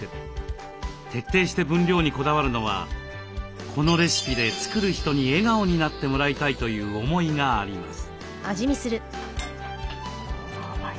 徹底して分量にこだわるのはこのレシピで作る人に笑顔になってもらいたいという思いがあります。